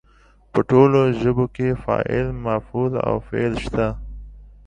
په ټولو ژبو کې فاعل، مفعول او فعل شته.